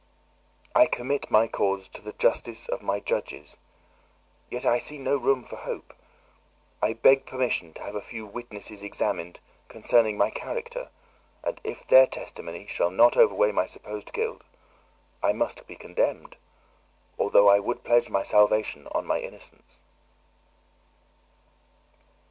"I commit my cause to the justice of my judges, yet I see no room for hope. I beg permission to have a few witnesses examined concerning my character, and if their testimony shall not overweigh my supposed guilt, I must be condemned, although I would pledge my salvation on my innocence."